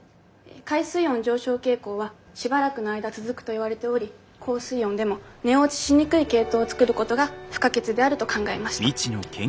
海水温上昇傾向はしばらくの間続くと言われており高水温でも芽落ちしにくい系統を作ることが不可欠であると考えました。